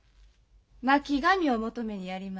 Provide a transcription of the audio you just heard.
巻紙を求めにやりました。